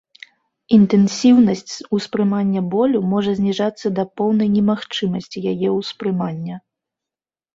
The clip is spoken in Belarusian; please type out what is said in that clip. Інтэнсіўнасць успрымання болю можа зніжацца да поўнай немагчымасці яе ўспрымання.